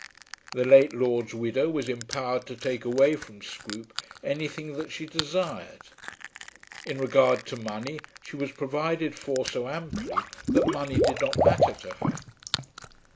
The late lord's widow was empowered to take away from Scroope anything that she desired. In regard to money she was provided for so amply that money did not matter to her.